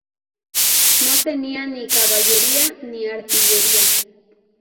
No tenía ni caballería, ni artillería.